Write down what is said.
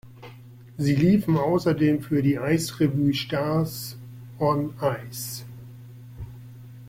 Sie liefen außerdem für die Eisrevue Stars On Ice.